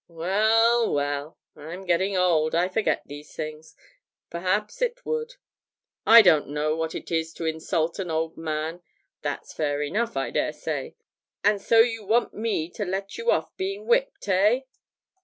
Well, well, I'm getting old, I forget these things. Perhaps it would. I don't know what it is to insult an old man that's fair enough, I dare say. And so you want me to let you off being whipped, eh?'